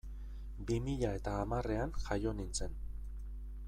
Bi mila eta hamarrean jaio nintzen.